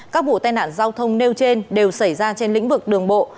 các vụ tai nạn giao thông nêu trên đều xảy ra trên lĩnh vực đường bộ